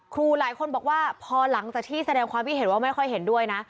หลายคนบอกว่าพอหลังจากที่แสดงความคิดเห็นว่าไม่ค่อยเห็นด้วยนะ